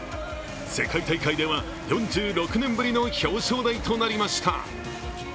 世界大会では４６年ぶりの表彰台となりました。